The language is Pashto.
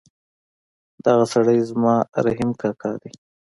دغه سړی زما رحیم کاکا ده